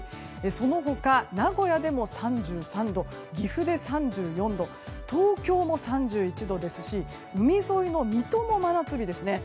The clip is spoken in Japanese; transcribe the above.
その他、名古屋でも３３度岐阜で３４度東京も３１度ですし海沿いの水戸も真夏日ですね。